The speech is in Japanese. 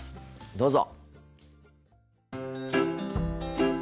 どうぞ。